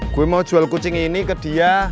gue mau jual kucing ini ke dia